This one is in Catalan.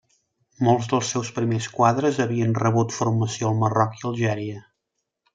Molts dels seus primers quadres havien rebut formació al Marroc i Algèria.